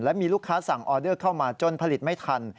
และมีลูกค้าสั่งออเดอร์เข้ามาจนผลิตไม่ทัน